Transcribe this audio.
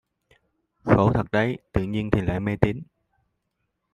Khổ thật đấy tự nhiên thì lại mê tín